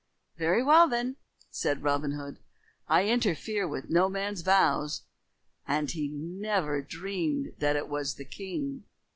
"Very well, then," said Robin Hood. "I interfere with no man's vows." And he never dreamed that it was the king.